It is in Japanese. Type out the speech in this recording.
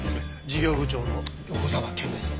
事業部長の横澤憲です。